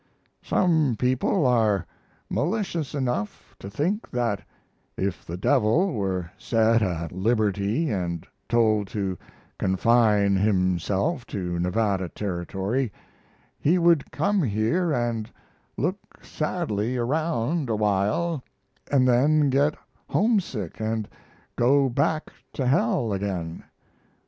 Some people are malicious enough to think that if the devil were set at liberty and told to confine himself to Nevada Territory, he would come here and look sadly around awhile, and then get homesick and go back to hell again....